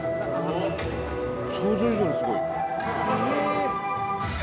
想像以上にすごい。